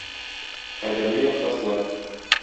Кадерле якташлар!